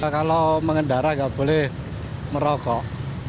kalau mengendara nggak boleh merokok